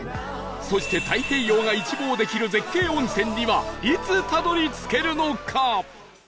そして太平洋が一望できる絶景温泉にはいつたどり着けるのか？